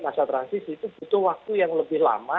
masa transisi itu butuh waktu yang lebih lama